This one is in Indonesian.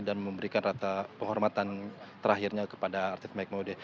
dan memberikan rasa penghormatan terakhirnya kepada artis mike mohede